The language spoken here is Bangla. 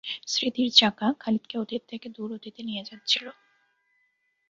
স্মৃতির চাকা খালিদকে অতীত থেকে দূর অতীতে নিয়ে যাচ্ছিল।